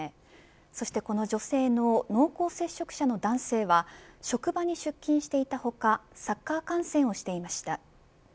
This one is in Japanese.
そしてこの女性の濃厚接触者の男性は職場に出勤していた他サッカー観戦をしていました。